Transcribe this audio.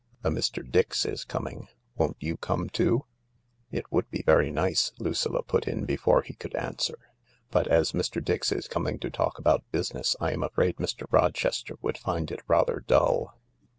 A Mr. Dix is coming. Won't you come too ?"" It would be very nice," Lucilla put in before he could answer, " but as Mr. Dix is coming to talk about business, I am afraid Mr. Rochester would find it rather dull."